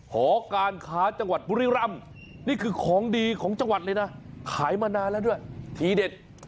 หอการค้าจังหวัดบุรีรำนี่คือของดีของจังหวัดเลยนะขายมานานแล้วด้วยทีเด็ด